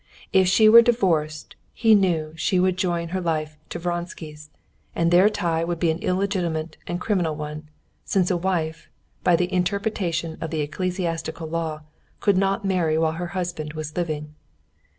If she were divorced, he knew she would join her life to Vronsky's, and their tie would be an illegitimate and criminal one, since a wife, by the interpretation of the ecclesiastical law, could not marry while her husband was living.